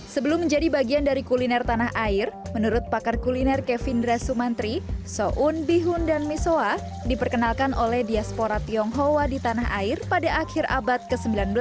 sebelum menjadi bagian dari kuliner tanah air menurut pakar kuliner kevindra sumantri ⁇ soun ⁇ bihun dan misoa diperkenalkan oleh diaspora tionghoa di tanah air pada akhir abad ke sembilan belas